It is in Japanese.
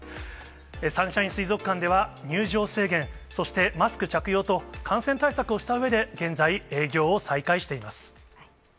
サンシャイン水族館では、入場制限、そしてマスク着用と、感染対策をしたうえで、現在、営業を再開しています。